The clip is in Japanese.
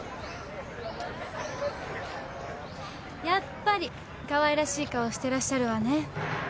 やっぱりかわいらしい顔をしてらっしゃるわね。